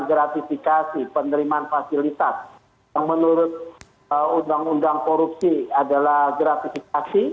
gratifikasi penerimaan fasilitas yang menurut undang undang korupsi adalah gratifikasi